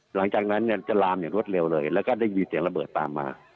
หลังจากนั้นเนี่ยจะลามอย่างรวดเร็วเลยแล้วก็ได้ยินเสียงระเบิดตามมา